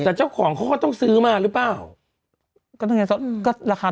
แต่เจ้าของเขาก็ต้องซื้อมาหรือเปล่า